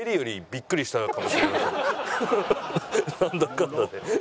なんだかんだで。